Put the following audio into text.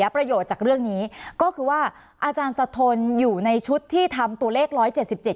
ประโยชน์จากเรื่องนี้ก็คือว่าอาจารย์สะทนอยู่ในชุดที่ทำตัวเลขร้อยเจ็ดสิบเจ็ด